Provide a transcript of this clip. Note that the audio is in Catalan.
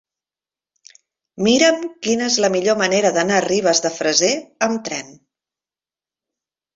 Mira'm quina és la millor manera d'anar a Ribes de Freser amb tren.